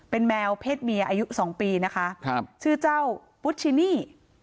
เป็นแมวเพศเมียอายุ๒ปีนะคะชื่อเจ้าวุชินี่